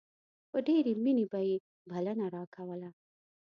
په ډېرې مينې به يې بلنه راکوله.